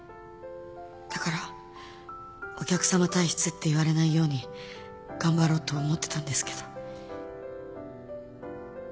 だからお客さま体質って言われないように頑張ろうと思ってたんですけど。